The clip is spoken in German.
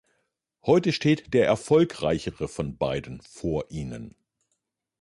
Heute steht der Erfolgreichere von beiden vor ihnen.